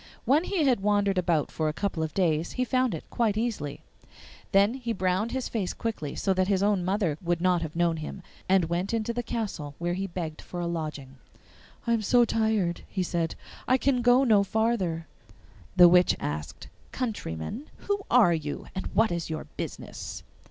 When he had wandered about for a couple of days he found it quite easily. He then browned his face quickly, so that his own mother would not have known him, and went into the castle, where he begged for a lodging. 'I am so tired,' he said, 'I can go no farther.' The witch asked, 'Countryman, who are you, and what is your business?